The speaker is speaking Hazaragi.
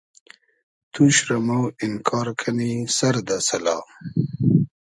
توش رۂ مۉ اینکار کئنی سئر دۂ سئلا